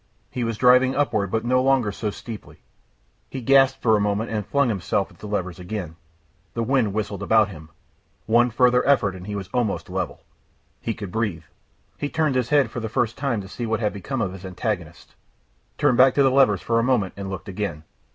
He was driving upward but no longer so steeply. He gasped for a moment and flung himself at the levers again. The wind whistled about him. One further effort and he was almost level. He could breathe. He turned his head for the first time to see what had become of his antagonists. Turned back to the levers for a moment and looked again.